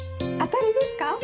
当たりですか？